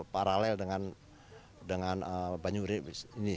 paralel dengan banyu urib ini